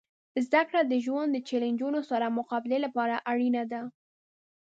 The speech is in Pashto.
زدهکړه د ژوند د چیلنجونو سره مقابلې لپاره اړینه ده.